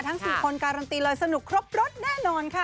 ๔คนการันตีเลยสนุกครบรถแน่นอนค่ะ